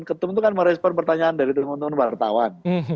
ketum itu kan merespon pertanyaan dari teman teman wartawan